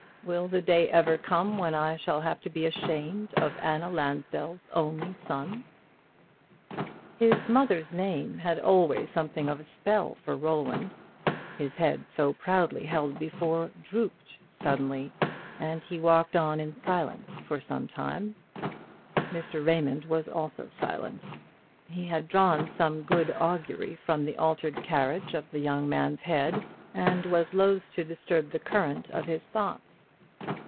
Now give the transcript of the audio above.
will the day ever come when I shall have to be ashamed of Anna Lansdell's only son?" His mother's name had always something of a spell for Roland. His head, so proudly held before, drooped suddenly, and he walked on in silence for some little time. Mr. Raymond was also silent. He had drawn some good augury from the altered carriage of the young man's head, and was loth to disturb the current of his thoughts.